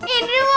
indri mau kabur